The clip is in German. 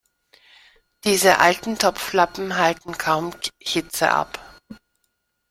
Diese alten Topflappen halten kaum Hitze ab.